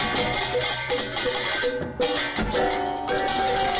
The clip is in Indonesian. pertunjukan penyucian dikelilingi